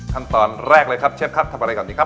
ขั้นตอนแรกเลยครับเชฟครับทำอะไรก่อนดีครับ